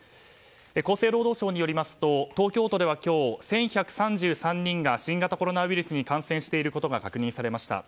厚生労働省によりますと東京都では今日１１３３人が新型コロナウイルスに感染していることが確認されました。